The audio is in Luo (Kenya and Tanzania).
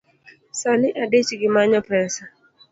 Sani adich gi manyo pesa